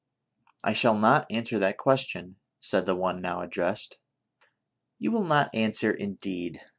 "I shall not answer that question," said the one now addressed. " You will not answer, indeed